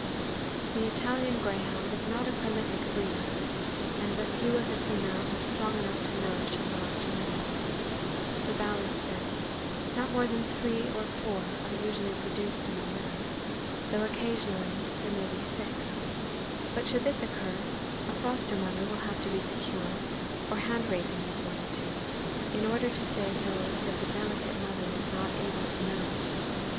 The Italian Greyhound is not a prolific breeder, and but few of the females are strong enough to nourish a large litter. To balance this, not more than three or four are THE AMERICAN BOOK OF THE DOG. usually produced in a litter, though occasionally there may be six; but should this occur, a foster mother will have to be secured, or hand raising resorted to, in order to save those that the delicate mother is not able to nourish.